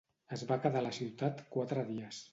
Es va quedar a la ciutat quatre dies.